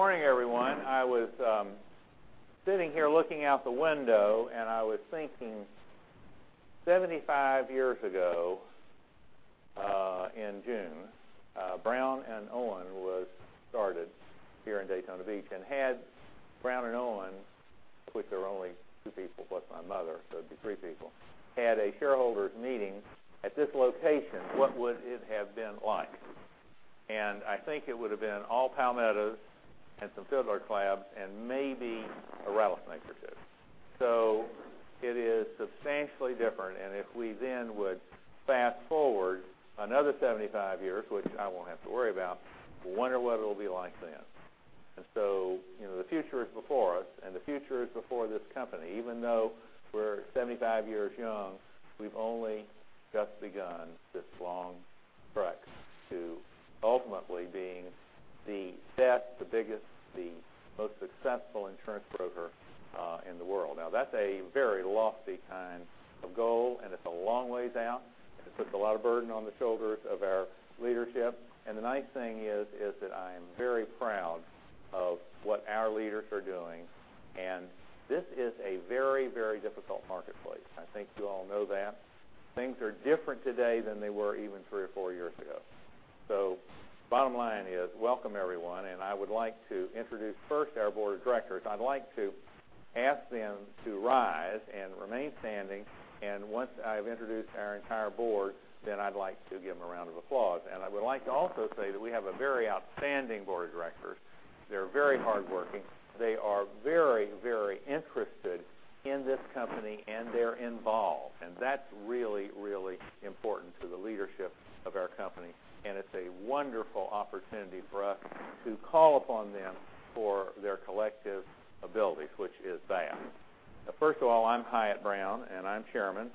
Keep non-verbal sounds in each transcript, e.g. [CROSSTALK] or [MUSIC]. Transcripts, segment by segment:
Good morning, everyone. I was sitting here looking out the window and I was thinking, 75 years ago, in June, Brown & Owen was started here in Daytona Beach. Had Brown & Owen, which were only 2 people plus my mother, so it'd be 3 people, had a shareholders' meeting at this location, what would it have been like? I think it would've been all palmettos and some fiddler crabs, and maybe a rattlesnake or 2. It is substantially different. If we then would fast-forward another 75 years, which I won't have to worry about, wonder what it'll be like then. The future is before us, and the future is before this company. Even though we're 75 years young, we've only just begun this long trek to ultimately being the best, the biggest, the most successful insurance broker in the world. That's a very lofty kind of goal, and it's a long ways out, and it puts a lot of burden on the shoulders of our leadership. The nice thing is that I am very proud of what our leaders are doing. This is a very, very difficult marketplace. I think you all know that. Things are different today than they were even 3 or 4 years ago. Bottom line is, welcome everyone, and I would like to introduce first our board of directors. I'd like to ask them to rise and remain standing. Once I've introduced our entire board, I'd like to give them a round of applause. I would like to also say that we have a very outstanding board of directors. They're very hardworking. They are very, very interested in this company and they're involved. That's really, really important to the leadership of our company. It's a wonderful opportunity for us to call upon them for their collective abilities, which is vast. First of all, I'm J. Hyatt Brown, and I'm chairman.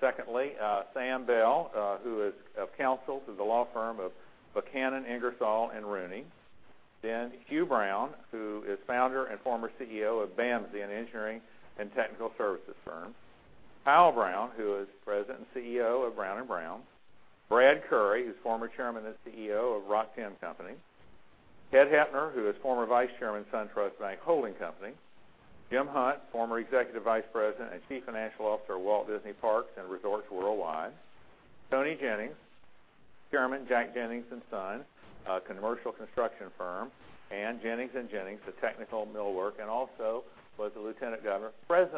Secondly, Sam Bell, who is of counsel to the law firm of Buchanan Ingersoll & Rooney. Hugh Brown, who is founder and former CEO of BAMSI Engineering and Technical Services firm. J. Powell Brown, who is president and CEO of Brown & Brown. Brad Currey, who's former chairman and CEO of Rock-Tenn Company. Ted Hoepner, who is former vice chairman, SunTrust Bank Holding Company. Jim Hunt, former executive vice president and chief financial officer, Walt Disney Parks and Resorts Worldwide. Toni Jennings, chairman, Jack Jennings & Son, a commercial construction firm and Jennings & Jennings, a technical millwork, and also was the president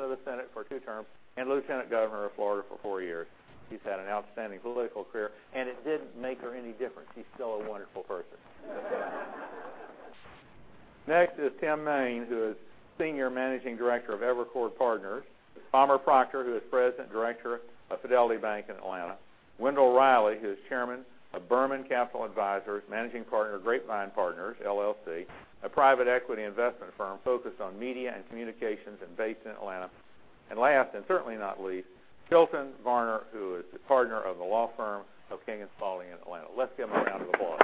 of the Senate for 2 terms and lieutenant governor of Florida for 4 years. He's had an outstanding political career, and it didn't make her any different. He's still a wonderful person. Next is Tim Main, who is senior managing director of Evercore Partners. Palmer Proctor, who is president and director of Fidelity Bank in Atlanta. Wendell Reilly, who is chairman of Berman Capital Advisors, managing partner of Grapevine Capital Partners LLC, a private equity investment firm focused on media and communications and based in Atlanta. Last, and certainly not least, Chilton Varner, who is a partner of the law firm of King & Spalding in Atlanta. Let's give them a round of applause.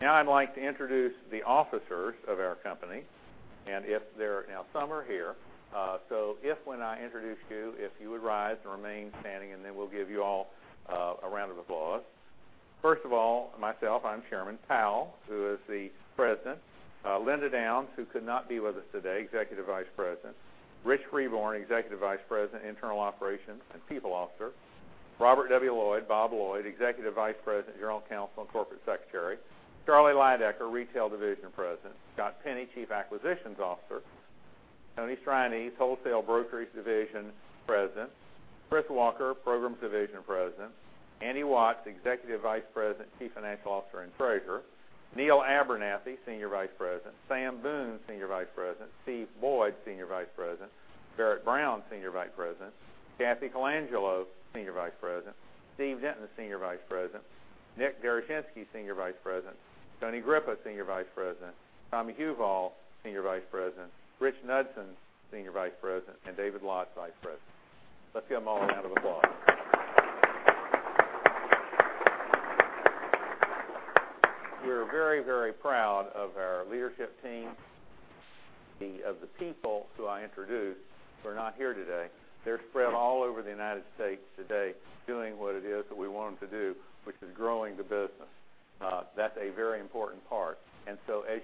I'd like to introduce the officers of our company. Some are here. If when I introduce you, if you would rise and remain standing, then we'll give you all a round of applause. First of all, myself, I am Chairman. Powell, who is the President. Linda Downs, who could not be with us today, Executive Vice President. Rich Freeborn, Executive Vice President, Internal Operations and People Officer. Robert W. Lloyd, Bob Lloyd, Executive Vice President, General Counsel, and Corporate Secretary. Charlie Lydecker, Retail Division President. Scott Penny, Chief Acquisitions Officer. Tony Strianese, Wholesale Brokerage Division President. Chris Walker, Programs Division President. Andy Watts, Executive Vice President, Chief Financial Officer, and Treasurer. Neal Abernathy, Senior Vice President. Sam Boone, Senior Vice President. Steve Boyd, Senior Vice President. Garrett Brown, Senior Vice President. Kathy Colangelo, Senior Vice President. Steve Denton, Senior Vice President. Nick D'Ambra, Senior Vice President. Tony Grippa, Senior Vice President. Tommy Huval, Senior Vice President. Rich Knudson, Senior Vice President, and David Lott, Vice President. Let's give them all a round of applause. We are very, very proud of our leadership team. Of the people who I introduced who are not here today, they are spread all over the U.S. today doing what it is that we want them to do, which is growing the business. That is a very important part. As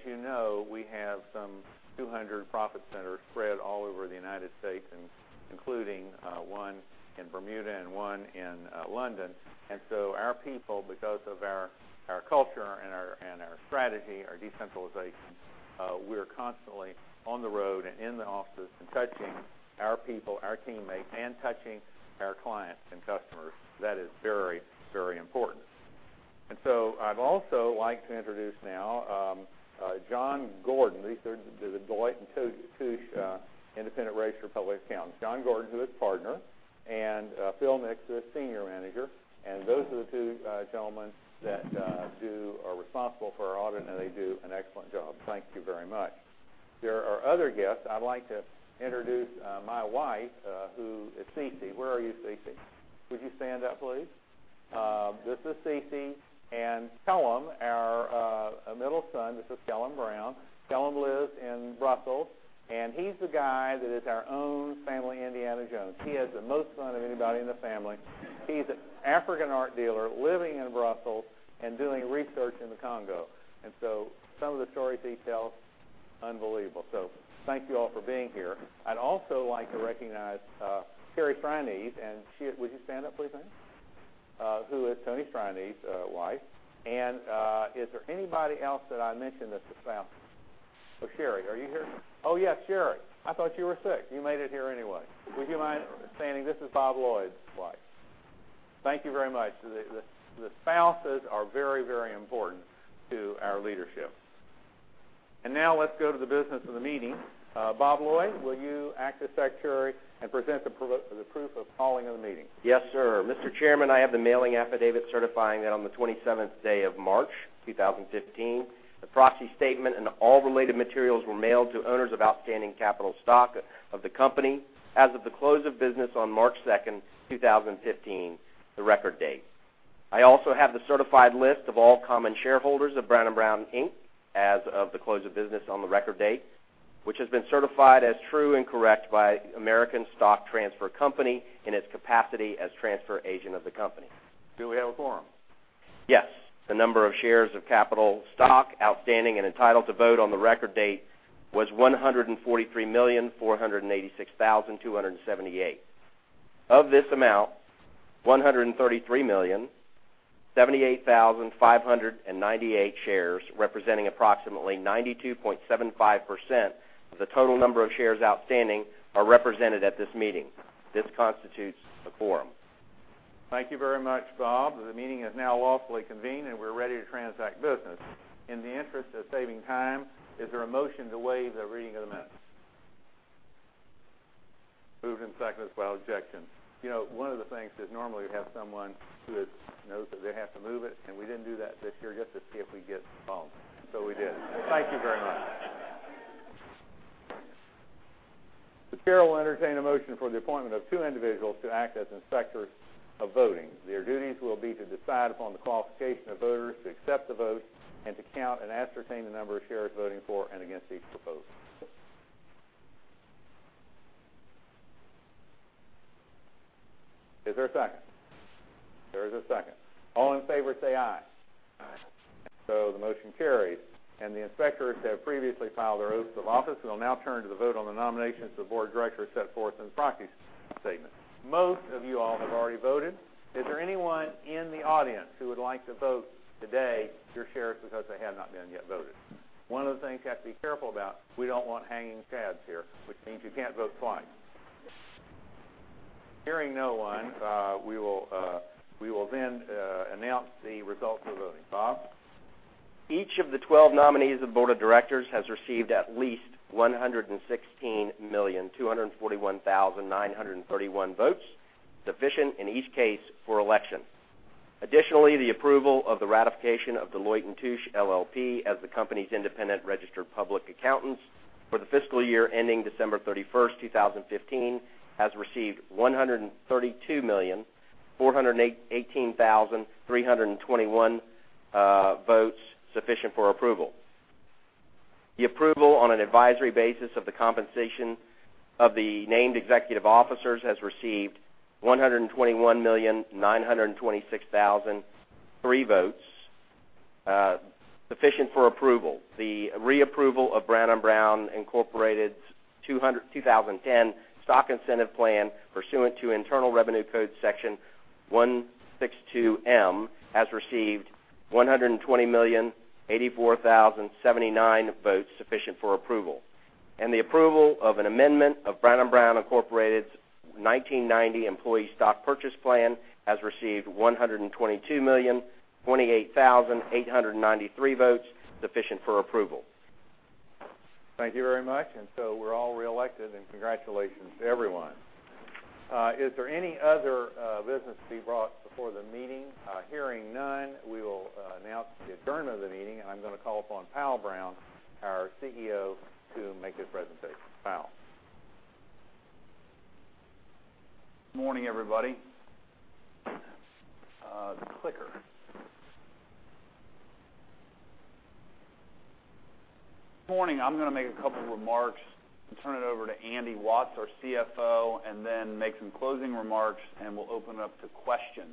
you know, we have some 200 profit centers spread all over the U.S. and including one in Bermuda and one in London. Our people, because of our culture and our strategy, our decentralization, we are constantly on the road and in the offices and touching our people, our teammates, and touching our clients and customers. That is very, very important. I would also like to introduce now John Gordon. These are the Deloitte & Touche independent registered public accountants. John Gordon, who is Partner, and Phil Nix, who is Senior Manager. Those are the two gentlemen that are responsible for our audit. They do an excellent job. Thank you very much. There are other guests. I would like to introduce my wife, who is Cici. Where are you, Cici? Would you stand up, please? This is Cici and Kellam, our middle son. This is Kellam Brown. Kellam lives in Brussels, and he is the guy that is our own family Indiana Jones. He has the most fun of anybody in the family. He is an African art dealer living in Brussels and doing research in the Congo. Some of the stories he tells, unbelievable. Thank you all for being here. I would also like to recognize. [INAUDIBLE] Would you stand up, please, honey? Who is [INAUDIBLE] wife. Is there anybody else that I mentioned that is a spouse? Sherry, are you here? Oh, yes, Sherry. I thought you were sick. You made it here anyway. Would you mind standing? This is Bob Lloyd's wife. Thank you very much. The spouses are very, very important to our leadership. Now let's go to the business of the meeting. Bob Lloyd, will you act as Secretary and present the proof of calling of the meeting? Yes, sir. Mr. Chairman, I have the mailing affidavit certifying that on the 27th day of March 2015, the proxy statement and all related materials were mailed to owners of outstanding capital stock of the company as of the close of business on March 2nd, 2015, the record date. I also have the certified list of all common shareholders of Brown & Brown, Inc. as of the close of business on the record date, which has been certified as true and correct by American Stock Transfer Company in its capacity as transfer agent of the company. Do we have a quorum? Yes. The number of shares of capital stock outstanding and entitled to vote on the record date was 143,486,278. Of this amount, 133,078,598 shares, representing approximately 92.75% of the total number of shares outstanding, are represented at this meeting. This constitutes a quorum. Thank you very much, Bob. The meeting is now lawfully convened, and we're ready to transact business. In the interest of saving time, is there a motion to waive the reading of the minutes? Moved and seconded. Well, objection. One of the things is normally we have someone who knows that they have to move it, and we didn't do that this year just to see if we'd get involved. We did. Thank you very much. The chair will entertain a motion for the appointment of two individuals to act as inspectors of voting. Their duties will be to decide upon the qualification of voters, to accept the vote, and to count and ascertain the number of shares voting for and against each proposal. Is there a second? There is a second. All in favor say aye. Aye. The motion carries, the inspectors have previously filed their oaths of office. We will now turn to the vote on the nominations of the board of directors set forth in the proxy statement. Most of you all have already voted. Is there anyone in the audience who would like to vote today, your shares because they have not been yet voted? One of the things you have to be careful about, we don't want hanging chads here, which means you can't vote twice. Hearing no one, we will announce the results of the voting. Bob? Each of the 12 nominees of the board of directors has received at least 116,241,931 votes, sufficient in each case for election. Additionally, the approval of the ratification of Deloitte & Touche LLP as the company's independent registered public accountants for the fiscal year ending December 31st, 2015, has received 132,418,321 votes, sufficient for approval. The approval on an advisory basis of the compensation of the named executive officers has received 121,926,003 votes, sufficient for approval. The reapproval of Brown & Brown Incorporated's 2010 Stock Incentive Plan pursuant to Internal Revenue Code Section 162(m) has received 120,084,079 votes, sufficient for approval. The approval of an amendment of Brown & Brown Incorporated's 1990 Employee Stock Purchase Plan has received 122,028,893 votes, sufficient for approval. Thank you very much. We're all reelected, congratulations to everyone. Is there any other business to be brought before the meeting? Hearing none, we will announce the adjournment of the meeting, I'm going to call upon Powell Brown, our CEO, to make his presentation. Powell. Morning, everybody. The clicker. Morning. I'm going to make a couple remarks turn it over to Andy Watts, our CFO, make some closing remarks, we'll open up to questions.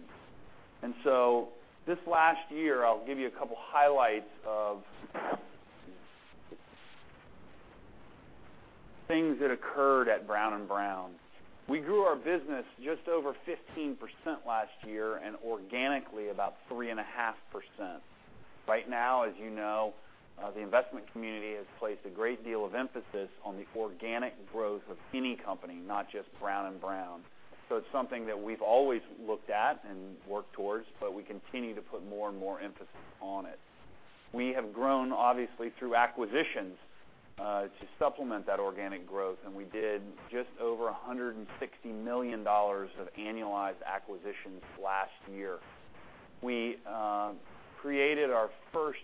This last year, I'll give you a couple highlights of things that occurred at Brown & Brown. We grew our business just over 15% last year and organically about 3.5%. Right now, as you know, the investment community has placed a great deal of emphasis on the organic growth of any company, not just Brown & Brown. It's something that we've always looked at and worked towards, but we continue to put more and more emphasis on it. We have grown, obviously, through acquisitions to supplement that organic growth, we did just over $160 million of annualized acquisitions last year. We created our first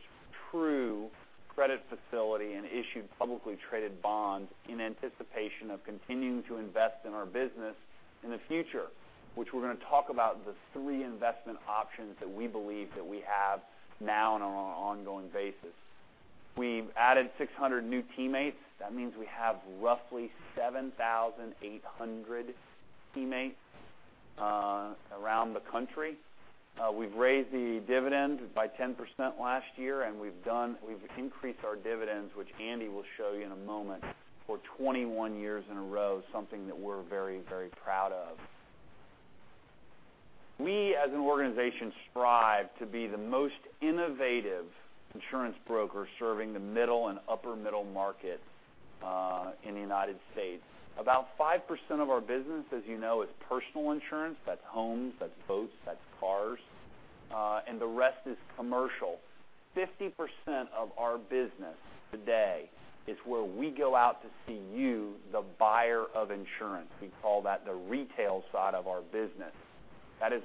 true credit facility and issued publicly traded bonds in anticipation of continuing to invest in our business in the future, which we're going to talk about the three investment options that we believe that we have now and on an ongoing basis. We've added 600 new teammates. That means we have roughly 7,800 teammates around the country. We've raised the dividend by 10% last year, and we've increased our dividends, which Andy will show you in a moment, for 21 years in a row, something that we're very proud of. We, as an organization, strive to be the most innovative insurance broker serving the middle and upper middle market in the U.S. About 5% of our business, as you know, is personal insurance. That's homes, that's boats, that's cars. The rest is commercial. 50% of our business today is where we go out to see you, the buyer of insurance. We call that the retail side of our business. That has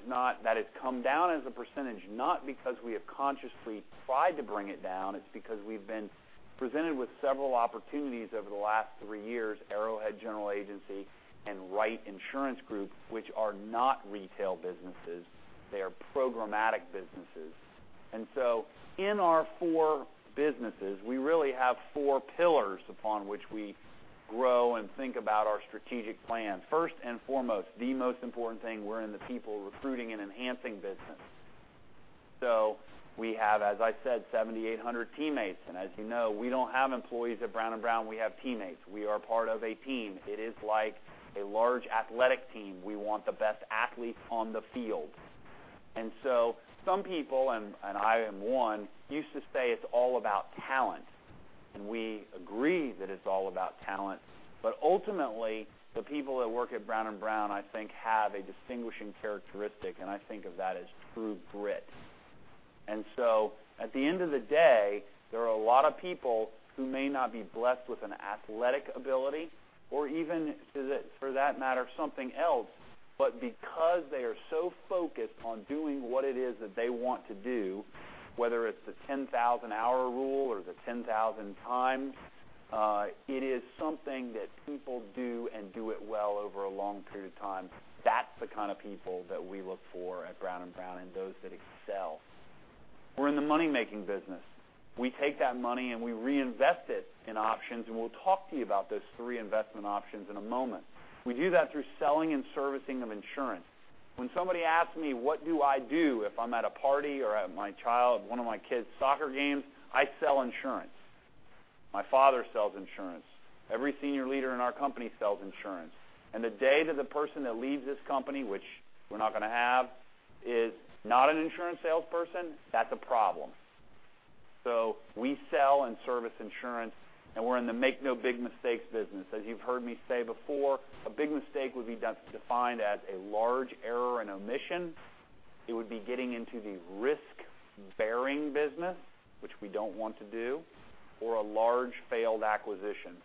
come down as a percentage, not because we have consciously tried to bring it down. It's because we've been presented with several opportunities over the last three years, Arrowhead General Agency and Wright Insurance Group, which are not retail businesses. They are programmatic businesses. In our four businesses, we really have four pillars upon which we grow and think about our strategic plan. First and foremost, the most important thing, we're in the people recruiting and enhancing business. We have, as I said, 7,800 teammates, and as you know, we don't have employees at Brown & Brown. We have teammates. We are part of a team. It is like a large athletic team. We want the best athletes on the field. Some people, and I am one, used to say it's all about talent, and we agree that it's all about talent. Ultimately, the people that work at Brown & Brown, I think, have a distinguishing characteristic, and I think of that as true grit. At the end of the day, there are a lot of people who may not be blessed with an athletic ability or even, for that matter, something else. Because they are so focused on doing what it is that they want to do, whether it's the 10,000-hour rule or the 10,000 times, it is something that people do and do it well over a long period of time. That's the kind of people that we look for at Brown & Brown and those that excel. We're in the money-making business. We take that money, and we reinvest it in options, and we'll talk to you about those three investment options in a moment. We do that through selling and servicing of insurance. When somebody asks me what do I do if I'm at a party or at one of my kids' soccer games, I sell insurance. My father sells insurance. Every senior leader in our company sells insurance. The day that the person that leads this company, which we're not going to have, is not an insurance salesperson, that's a problem. We sell and service insurance, and we're in the make no big mistakes business. As you've heard me say before, a big mistake would be defined as a large error and omission. It would be getting into the risk-bearing business, which we don't want to do, or a large failed acquisition.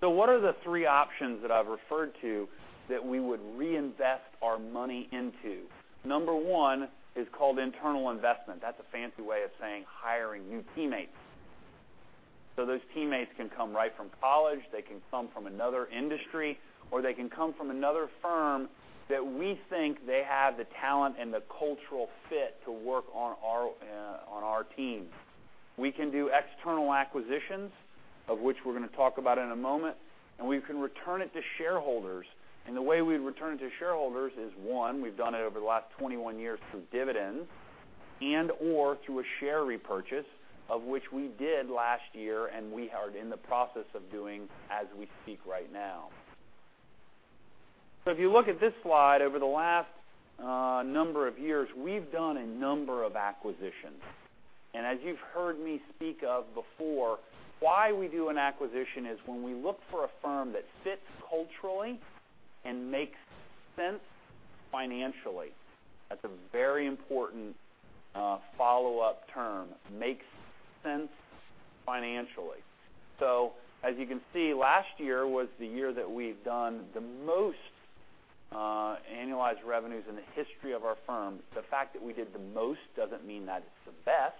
What are the three options that I've referred to that we would reinvest our money into? Number one is called internal investment. That's a fancy way of saying hiring new teammates. Those teammates can come right from college, they can come from another industry, or they can come from another firm that we think they have the talent and the cultural fit to work on our team. We can do external acquisitions, of which we're going to talk about in a moment, and we can return it to shareholders. The way we'd return it to shareholders is, one, we've done it over the last 21 years through dividends and/or through a share repurchase, of which we did last year and we are in the process of doing as we speak right now. If you look at this slide, over the last number of years, we've done a number of acquisitions. As you've heard me speak of before, why we do an acquisition is when we look for a firm that fits culturally and makes sense financially. That's a very important follow-up term, makes sense financially. As you can see, last year was the year that we've done the most annualized revenues in the history of our firm. The fact that we did the most doesn't mean that it's the best,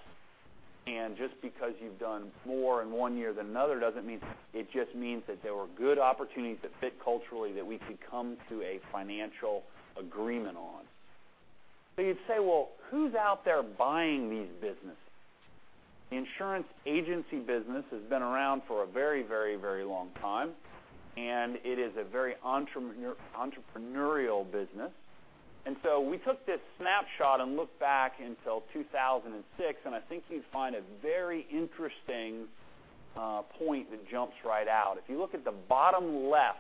and just because you've done more in one year than another doesn't mean it just means that there were good opportunities that fit culturally that we could come to a financial agreement on. You'd say, well, who's out there buying these businesses? The insurance agency business has been around for a very long time, it is a very entrepreneurial business. We took this snapshot and looked back until 2006, I think you'd find a very interesting point that jumps right out. If you look at the bottom left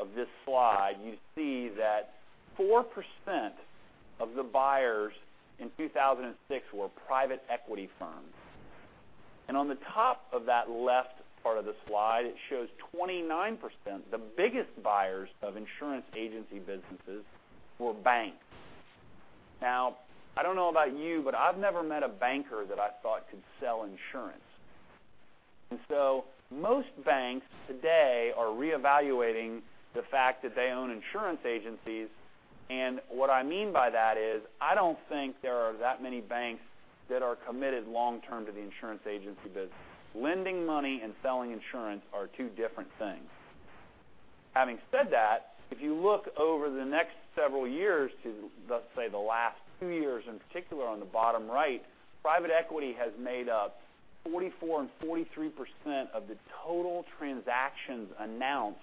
of this slide, you see that 4% of the buyers in 2006 were private equity firms. On the top of that left part of the slide, it shows 29%, the biggest buyers of insurance agency businesses were banks. I don't know about you, but I've never met a banker that I thought could sell insurance. Most banks today are reevaluating the fact that they own insurance agencies. What I mean by that is, I don't think there are that many banks that are committed long-term to the insurance agency business. Lending money and selling insurance are two different things. Having said that, if you look over the next several years to, let's say, the last two years in particular on the bottom right, private equity has made up 44% and 43% of the total transactions announced,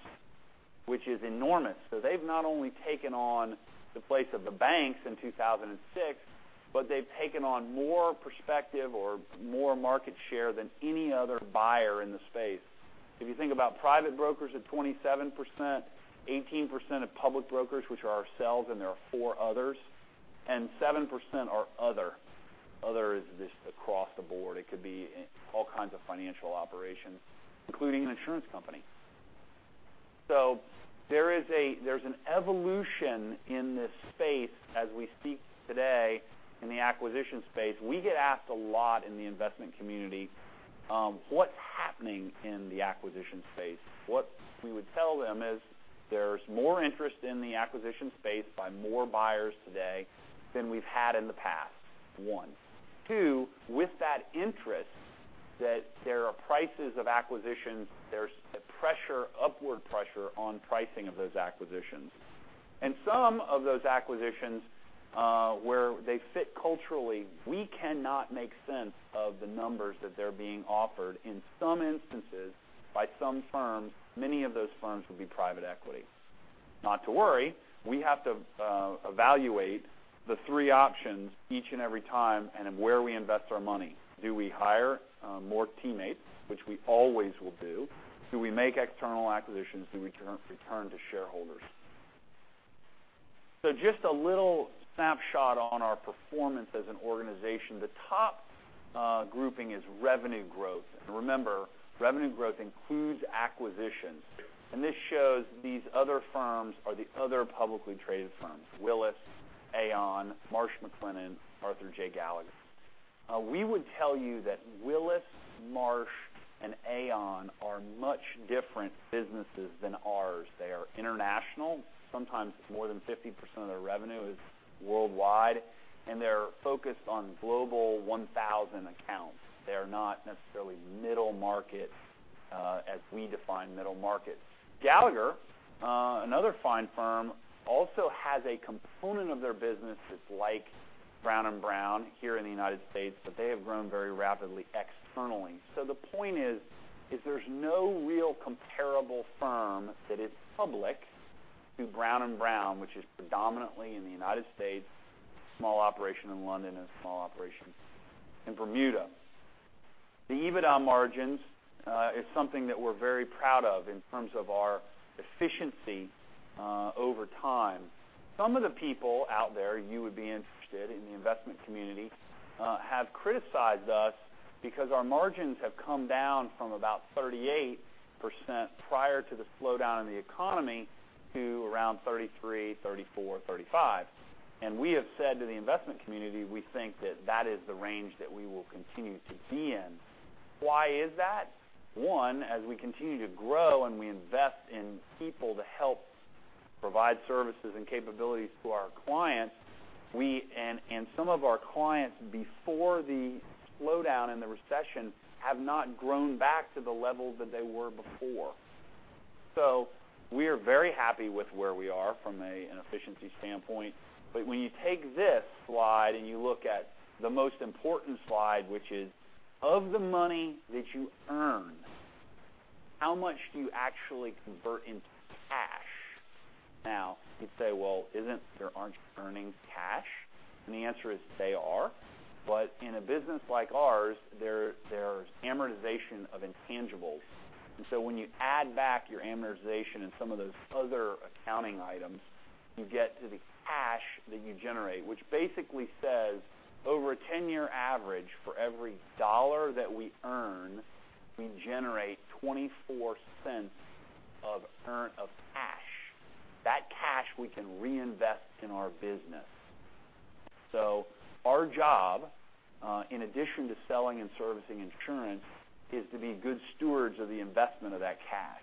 which is enormous. They've not only taken on the place of the banks in 2006, but they've taken on more perspective or more market share than any other buyer in the space. If you think about private brokers at 27%, 18% of public brokers, which are ourselves, and there are four others, and 7% are other. Other is just across the board. It could be all kinds of financial operations, including an insurance company. There's an evolution in this space as we speak today in the acquisition space. We get asked a lot in the investment community, what's happening in the acquisition space? What we would tell them is there's more interest in the acquisition space by more buyers today than we've had in the past, one. Two, with that interest, that there are prices of acquisition, there's upward pressure on pricing of those acquisitions. Some of those acquisitions, where they fit culturally, we cannot make sense of the numbers that they're being offered, in some instances, by some firms, many of those firms would be private equity. Not to worry, we have to evaluate the three options each and every time and where we invest our money. Do we hire more teammates, which we always will do? Do we make external acquisitions? Do we return to shareholders? Just a little snapshot on our performance as an organization. The top grouping is revenue growth. Remember, revenue growth includes acquisitions. This shows these other firms are the other publicly traded firms, Willis, Aon, Marsh & McLennan, Arthur J. Gallagher. We would tell you that Willis, Marsh, and Aon are much different businesses than ours. They are international. Sometimes more than 50% of their revenue is worldwide, and they're focused on Global 1000 accounts. They're not necessarily middle market, as we define middle market. Gallagher, another fine firm, also has a component of their business that's like Brown & Brown here in the U.S., but they have grown very rapidly externally. The point is, there's no real comparable firm that is public to Brown & Brown, which is predominantly in the U.S., small operation in London, and a small operation in Bermuda. The EBITDA margins is something that we're very proud of in terms of our efficiency over time. Some of the people out there, you would be interested in the investment community, have criticized us because our margins have come down from about 38% prior to the slowdown in the economy to around 33%, 34%, 35%. We have said to the investment community, we think that that is the range that we will continue to be in. Why is that? One, as we continue to grow and we invest in people to help provide services and capabilities to our clients, and some of our clients, before the slowdown and the recession, have not grown back to the level that they were before. We are very happy with where we are from an efficiency standpoint. When you take this slide and you look at the most important slide, which is of the money that you earn, how much do you actually convert into cash? Now you'd say, "Well, aren't earnings cash?" The answer is they are. In a business like ours, there's amortization of intangibles. When you add back your amortization and some of those other accounting items, you get to the cash that you generate, which basically says, over a 10-year average, for every dollar that we earn, we generate $0.24 of cash. That cash we can reinvest in our business. Our job, in addition to selling and servicing insurance, is to be good stewards of the investment of that cash.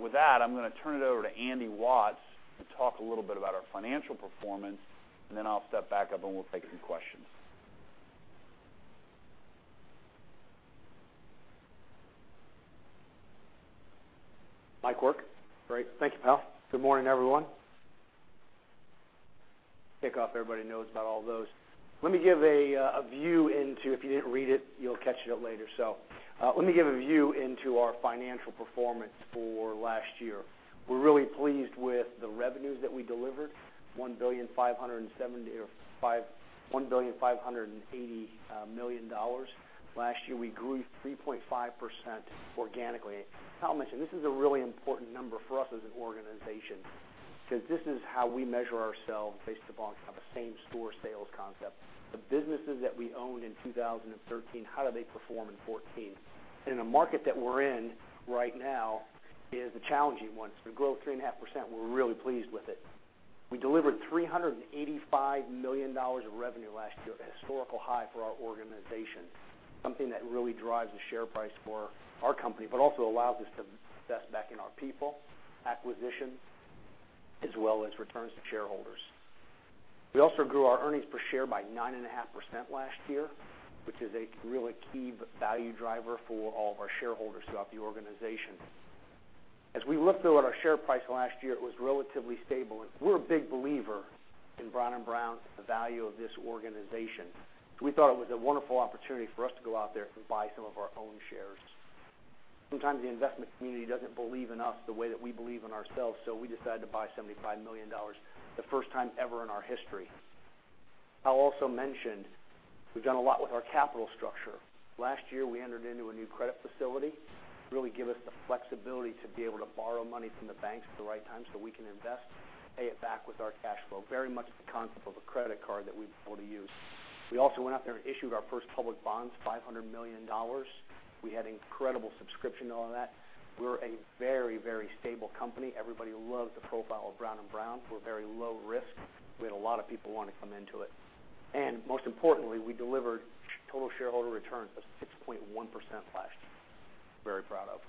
With that, I'm going to turn it over to Andy Watts to talk a little bit about our financial performance, and then I'll step back up, and we'll take some questions. [INAUDIBLE] Great. Thank you, Powell. Good morning, everyone. Pick up, everybody knows about all those. If you didn't read it, you'll catch it up later. Let me give a view into our financial performance for last year. We're really pleased with the revenues that we delivered, $1.580 billion. Last year, we grew 3.5% organically. Powell mentioned this is a really important number for us as an organization because this is how we measure ourselves based upon kind of a same-store sales concept. The businesses that we owned in 2013, how did they perform in 2014? In a market that we're in right now is a challenging one. To grow 3.5%, we're really pleased with it. We delivered $385 million of revenue last year, a historical high for our organization. Something that really drives the share price for our company, also allows us to invest back in our people, acquisition, as well as returns to shareholders. We also grew our earnings per share by 9.5% last year, which is a really key value driver for all of our shareholders throughout the organization. As we look, though, at our share price last year, it was relatively stable. We're a big believer in Brown & Brown and the value of this organization. We thought it was a wonderful opportunity for us to go out there and buy some of our own shares. Sometimes the investment community doesn't believe in us the way that we believe in ourselves, so we decided to buy $75 million, the first time ever in our history. Powell also mentioned we've done a lot with our capital structure. Last year, we entered into a new credit facility to really give us the flexibility to be able to borrow money from the banks at the right time so we can invest, pay it back with our cash flow. Very much the concept of a credit card that we've been able to use. We also went out there and issued our first public bonds, $500 million. We had incredible subscription on that. We're a very stable company. Everybody loved the profile of Brown & Brown. We're very low risk. We had a lot of people want to come into it. Most importantly, we delivered total shareholder returns of 6.1% last year, very proud of.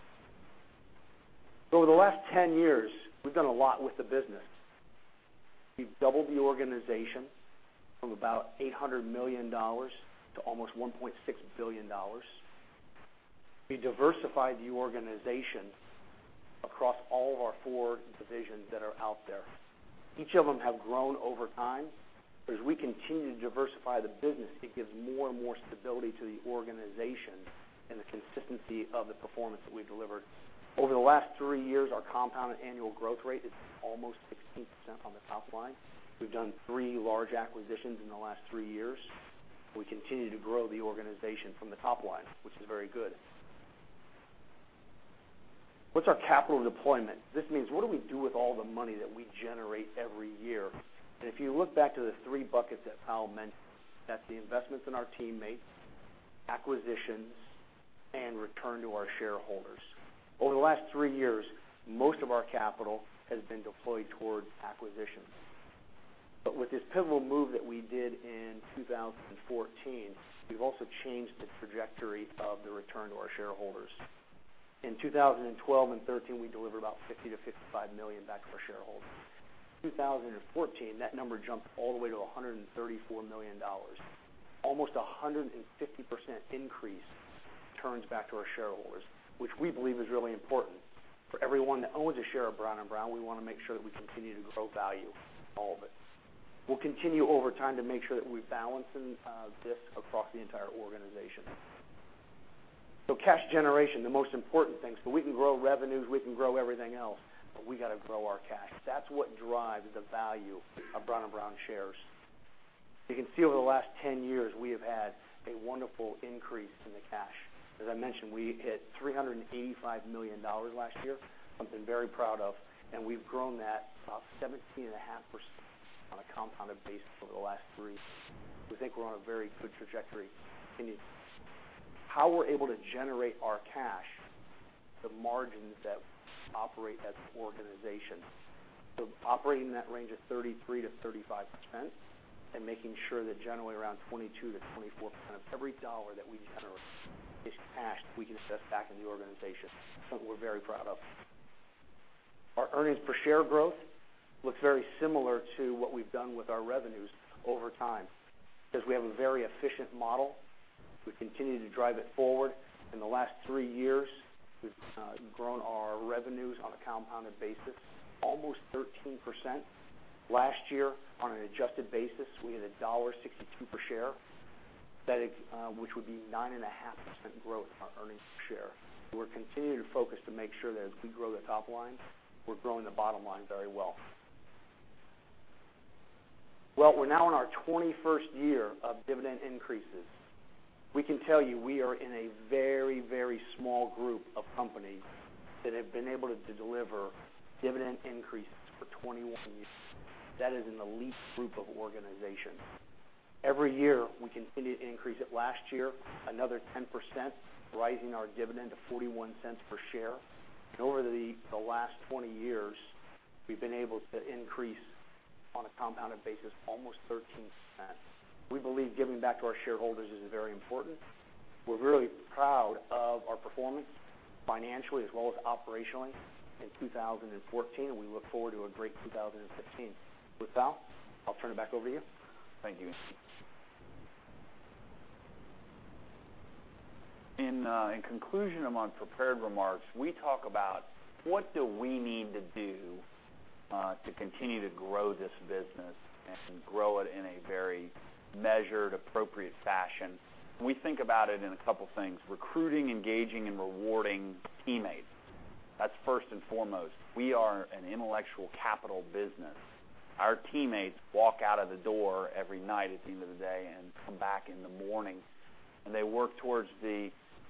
Over the last 10 years, we've done a lot with the business. We've doubled the organization from about $800 million to almost $1.6 billion. We diversified the organization across all of our four divisions that are out there. Each of them have grown over time, as we continue to diversify the business, it gives more and more stability to the organization, and the consistency of the performance that we delivered. Over the last three years, our compounded annual growth rate is almost 16% on the top line. We've done three large acquisitions in the last three years. We continue to grow the organization from the top line, which is very good. What's our capital deployment? This means, what do we do with all the money that we generate every year? If you look back to the three buckets that Powell mentioned, that's the investments in our teammates, acquisitions, and return to our shareholders. Over the last three years, most of our capital has been deployed toward acquisitions. With this pivotal move that we did in 2014, we've also changed the trajectory of the return to our shareholders. In 2012 and 2013, we delivered about $50 million-$55 million back to our shareholders. 2014, that number jumped all the way to $134 million. Almost 150% increase returns back to our shareholders, which we believe is really important. For everyone that owns a share of Brown & Brown, we want to make sure that we continue to grow value in all of it. We'll continue over time to make sure that we're balancing this across the entire organization. Cash generation, the most important thing. We can grow revenues, we can grow everything else, but we got to grow our cash. That's what drives the value of Brown & Brown shares. You can see over the last 10 years, we have had a wonderful increase in the cash. As I mentioned, we hit $385 million last year, something very proud of, and we've grown that about 17.5% on a compounded basis over the last three. We think we're on a very good trajectory. How we're able to generate our cash, the margins that operate that organization. Operating in that range of 33%-35%, and making sure that generally around 22%-24% of every dollar that we generate is cash we can invest back in the organization. Something we're very proud of. Our earnings per share growth looks very similar to what we've done with our revenues over time, because we have a very efficient model. We continue to drive it forward. In the last three years, we've grown our revenues on a compounded basis almost 13%. Last year, on an adjusted basis, we had $1.62 per share, which would be 9.5% growth in our earnings per share. We're continuing to focus to make sure that as we grow the top line, we're growing the bottom line very well. Well, we're now in our 21st year of dividend increases. We can tell you, we are in a very small group of companies that have been able to deliver dividend increases for 21 years. That is in an elite group of organizations. Every year, we continue to increase it. Last year, another 10%, rising our dividend to $0.41 per share. Over the last 20 years, we've been able to increase, on a compounded basis, almost 13%. We believe giving back to our shareholders is very important. We're really proud of our performance financially as well as operationally in 2014. We look forward to a great 2016. With that, I'll turn it back over to you. Thank you. In conclusion of my prepared remarks, we talk about what do we need to do to continue to grow this business, and grow it in a very measured, appropriate fashion. We think about it in a couple of things. Recruiting, engaging, and rewarding teammates. That's first and foremost. We are an intellectual capital business. Our teammates walk out of the door every night at the end of the day and come back in the morning, and they work towards,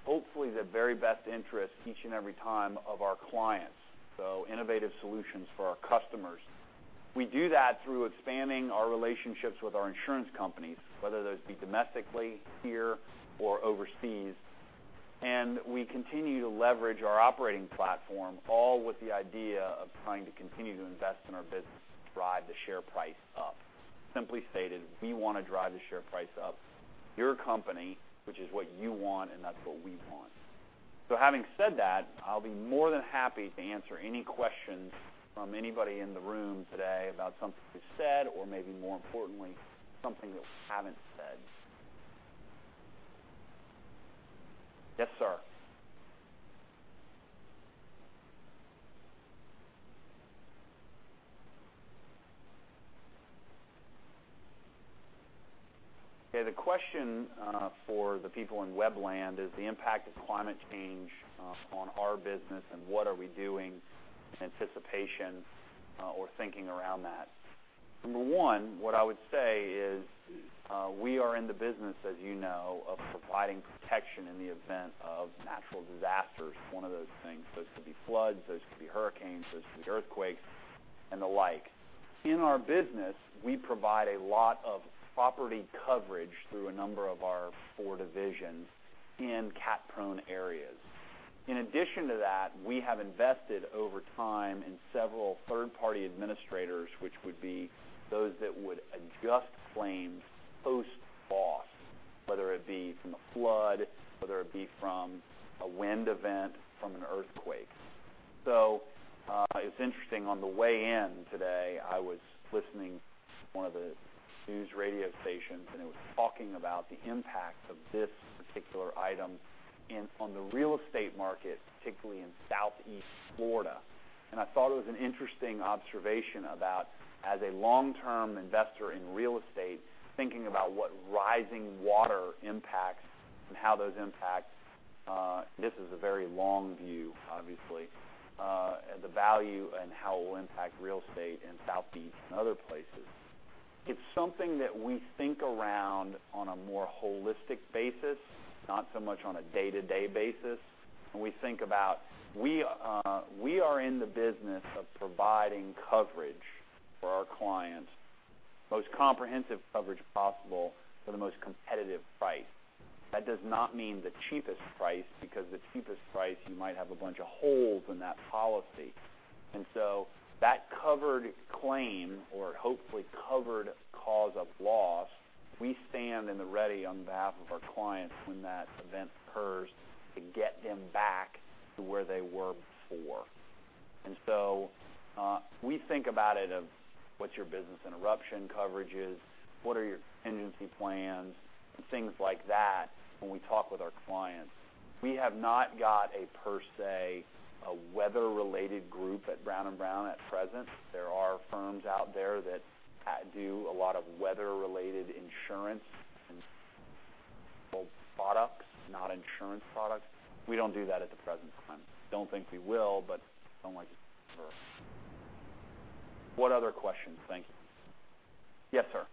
hopefully, the very best interest each and every time of our clients. Innovative solutions for our customers. We do that through expanding our relationships with our insurance companies, whether those be domestically here or overseas. We continue to leverage our operating platform, all with the idea of trying to continue to invest in our business to drive the share price up. Simply stated, we want to drive the share price up, your company, which is what you want, and that's what we want. Having said that, I'll be more than happy to answer any questions from anybody in the room today about something we've said or maybe more importantly, something that we haven't said. Yes, sir. Okay, the question for the people in web land is the impact of climate change on our business and what are we doing in anticipation or thinking around that. Number one, what I would say is we are in the business, as you know, of providing protection in the event of natural disasters. One of those things, those could be floods, those could be hurricanes, those could be earthquakes, and the like. In our business, we provide a lot of property coverage through a number of our four divisions in cat-prone areas. In addition to that, we have invested over time in several third-party administrators, which would be those that would adjust claims post-loss, whether it be from a flood, whether it be from a wind event, from an earthquake. It's interesting, on the way in today, I was listening to one of the news radio stations, and it was talking about the impact of this particular item on the real estate market, particularly in Southeast Florida. I thought it was an interesting observation about as a long-term investor in real estate, thinking about what rising water impacts and how those impacts, this is a very long view, obviously, the value and how it will impact real estate in Southeast and other places. It's something that we think around on a more holistic basis, not so much on a day-to-day basis. When we think about we are in the business of providing coverage for our clients, most comprehensive coverage possible for the most competitive price. That does not mean the cheapest price because the cheapest price you might have a bunch of holes in that policy. That covered claim or hopefully covered cause of loss, we stand in the ready on behalf of our clients when that event occurs to get them back to where they were before. We think about it of what your business interruption coverage is, what are your contingency plans, and things like that when we talk with our clients. We have not got a per se, a weather-related group at Brown & Brown at present. There are firms out there that do a lot of weather-related insurance and both products, not insurance products. We don't do that at the present time. Don't think we will, but I don't like to say for sure. What other questions? Thank you. Yes, sir.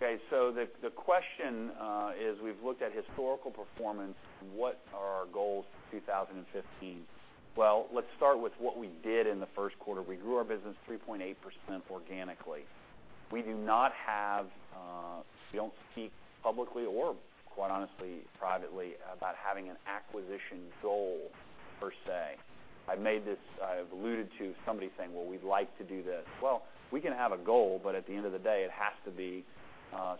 The question is, we've looked at historical performance, what are our goals for 2015? Let's start with what we did in the first quarter. We grew our business 3.8% organically. We don't speak publicly or quite honestly, privately about having an acquisition goal per se. I've alluded to somebody saying, we'd like to do this. We can have a goal, but at the end of the day, it has to be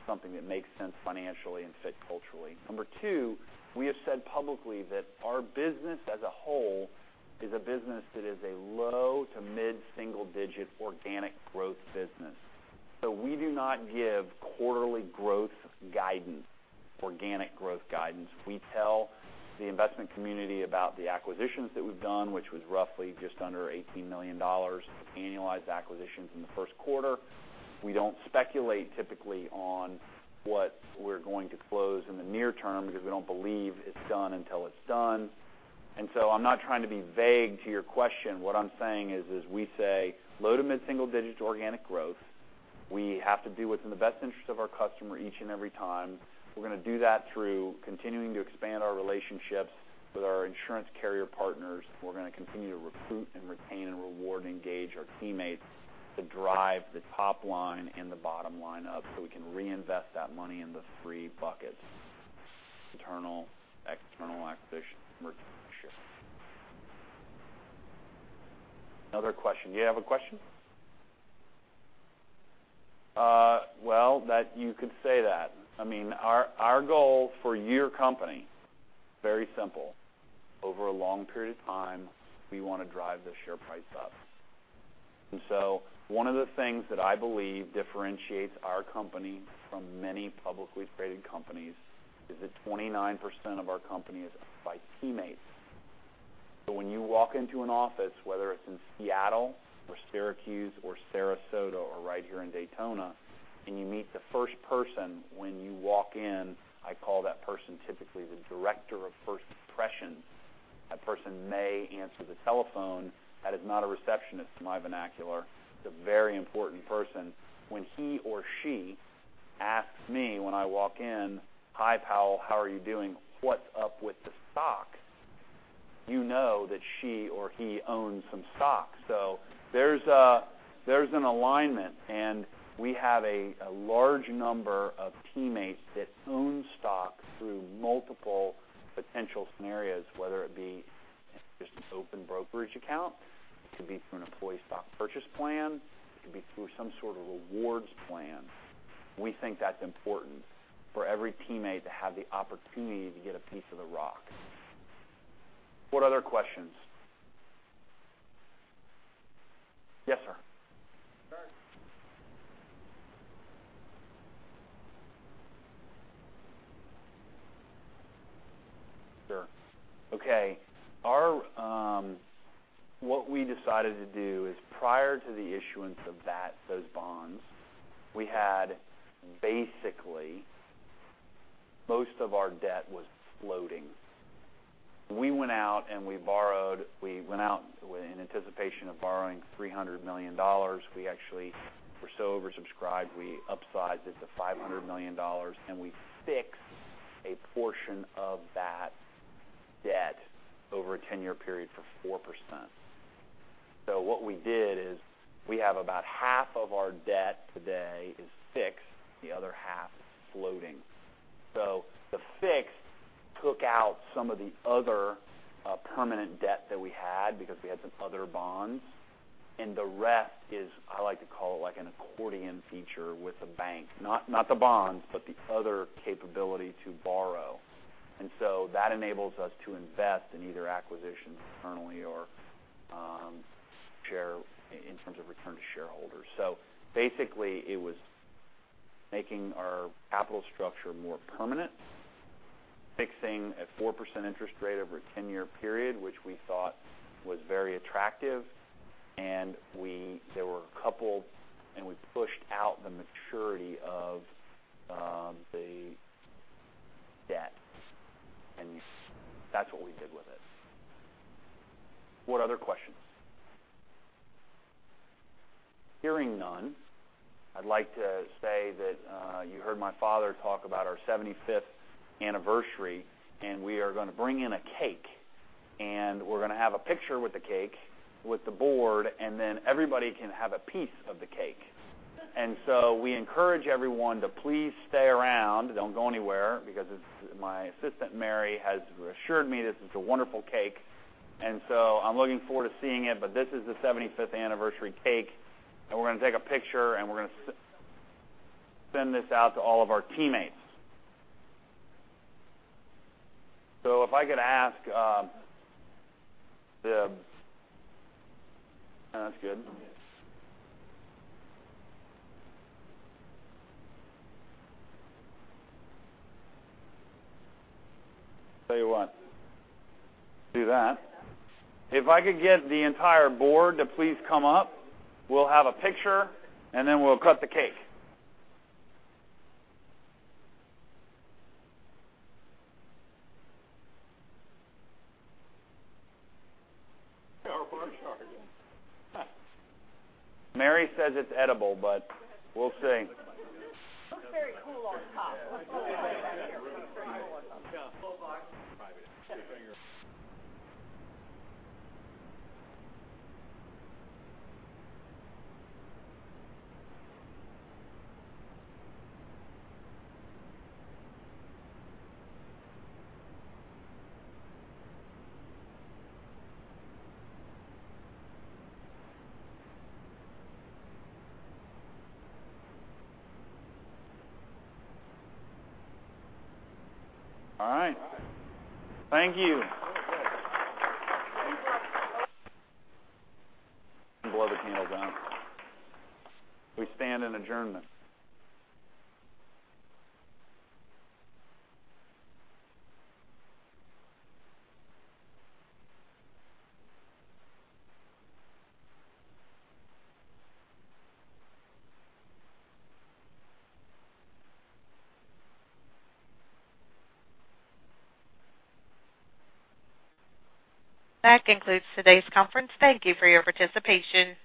something that makes sense financially and fit culturally. Number 2, we have said publicly that our business as a whole is a business that is a low to mid-single digit organic growth business. We do not give quarterly growth guidance, organic growth guidance. We tell the investment community about the acquisitions that we've done, which was roughly just under $18 million annualized acquisitions in the first quarter. We don't speculate typically on what we're going to close in the near term because we don't believe it's done until it's done. I'm not trying to be vague to your question. What I'm saying is we say low to mid-single digit organic growth. We have to do what's in the best interest of our customer each and every time. We're going to do that through continuing to expand our relationships with our insurance carrier partners. We're going to continue to recruit and retain and reward and engage our teammates to drive the top line and the bottom line up so we can reinvest that money in the 3 buckets, internal, external acquisition, and. [INAUDIBLE] Another question. Do you have a question? You could say that. Our goal for your company is very simple. Over a long period of time, we want to drive the share price up. One of the things that I believe differentiates our company from many publicly traded companies is that 29% of our company is owned by teammates. When you walk into an office, whether it's in Seattle or Syracuse or Sarasota or right here in Daytona, and you meet the first person when you walk in, I call that person typically the director of first impressions. That person may answer the telephone. That is not a receptionist in my vernacular. It's a very important person. When he or she asks me when I walk in, "Hi, Powell. How are you doing? What's up with the stock?" You know that she or he owns some stock. There's an alignment, and we have a large number of teammates that own stock through multiple potential scenarios, whether it be just an open brokerage account, it could be through an Employee Stock Purchase Plan, it could be through some sort of rewards plan. We think that's important for every teammate to have the opportunity to get a piece of the rock. What other questions? Yes, sir. Sir. Sure. Okay. What we decided to do is, prior to the issuance of those bonds, we had basically most of our debt was floating. We went out in anticipation of borrowing $300 million. We actually were so oversubscribed, we upsized it to $500 million, and we fixed a portion of that debt over a 10-year period for 4%. What we did is we have about half of our debt today is fixed, the other half is floating. The fixed took out some of the other permanent debt that we had because we had some other bonds. The rest is, I like to call it like an accordion feature with the bank, not the bonds, but the other capability to borrow. That enables us to invest in either acquisitions internally or in terms of return to shareholders. Basically, it was making our capital structure more permanent, fixing a 4% interest rate over a 10-year period, which we thought was very attractive, and we pushed out the maturity of the debt, and that's what we did with it. What other questions? Hearing none, I'd like to say that you heard my father talk about our 75th anniversary. We are going to bring in a cake. We're going to have a picture with the cake with the board. Everybody can have a piece of the cake. We encourage everyone to please stay around. Don't go anywhere because my assistant, Mary, has assured me this is a wonderful cake. I'm looking forward to seeing it. This is the 75th anniversary cake. We're going to take a picture. We're going to send this out to all of our teammates. That's good. Tell you what. Do that. If I could get the entire board to please come up, we'll have a picture. We'll cut the cake. Mary says it's edible. We'll see. Looks Blow the candles out. We stand in adjournment. That concludes today's conference. Thank you for your participation.